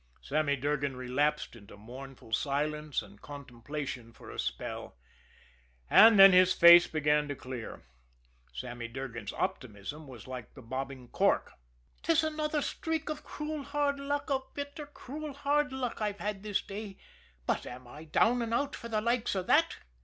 Sammy Durgan relapsed into mournful silence and contemplation for a spell and then his face began to clear. Sammy Durgan's optimism was like the bobbing cork. "'Tis another streak of cruel hard luck, of bitter, cruel hard luck I've had this day, but am I down and out for the likes of that?"